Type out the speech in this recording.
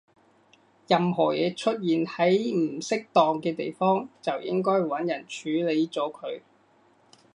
任何嘢出現喺唔適當嘅地方，就應該搵人處理咗佢